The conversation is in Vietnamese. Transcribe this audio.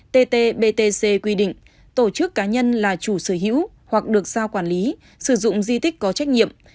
tt btc quy định tổ chức cá nhân là chủ sở hữu hoặc được giao quản lý sử dụng di tích có trách nhiệm